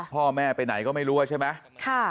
พ่อแม่ไปไหนก็ไม่รู้ใช่ไหมค่ะ